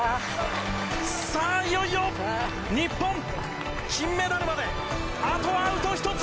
さあ、いよいよ日本金メダルまで、あとアウト１つ！